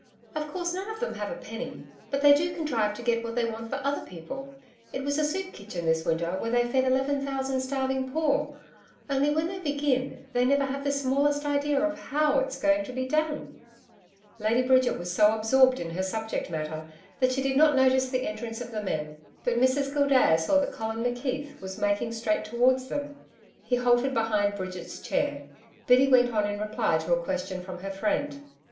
Of course none of them have a penny. But they do contrive to get what they want for other people it was a soup kitchen this winter where they fed 11,000 starving poor. Only, when they begin, they never have the smallest idea of HOW it's going to be done.' Lady Bridget was so absorbed in her subject matter that she did not notice the entrance of the men; but Mrs Gildea saw that Colin McKeith was making straight towards them. He halted behind Bridget's chair. Biddy went on in reply to a question from her friend.